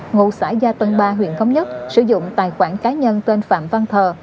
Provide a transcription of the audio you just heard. ngụ xã gia tân ba huyện thống nhất sử dụng tài khoản cá nhân tên phạm văn thờ